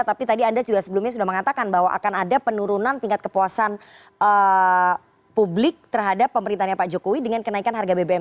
tapi tadi anda juga sebelumnya sudah mengatakan bahwa akan ada penurunan tingkat kepuasan publik terhadap pemerintahnya pak jokowi dengan kenaikan harga bbm